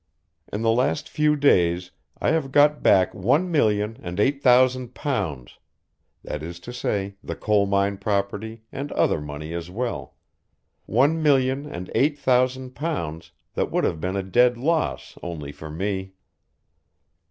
In the last few days I have got back one million and eight thousand pounds, that is to say the coal mine property and other money as well, one million and eight thousand pounds that would have been a dead loss only for me."